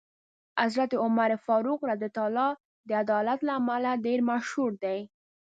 حضرت عمر فاروق رض د عدالت له امله ډېر مشهور دی.